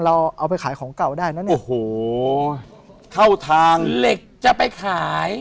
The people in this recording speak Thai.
เราเอาไปขายของเก่าได้นะเนี่ยโอ้โหเข้าทางเหล็กจะไปขาย